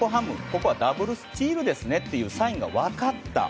ここはダブルスチールですねというサインが分かった。